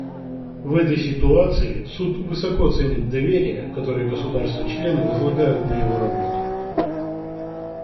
В этой ситуации Суд высоко ценит доверие, которое государства-члены возлагают на его работу.